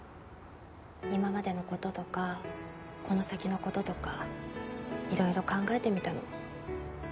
今までのこととかこの先のこととか色々考えてみたの。